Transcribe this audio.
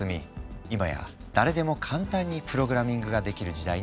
今や誰でも簡単にプログラミングができる時代になりつつある。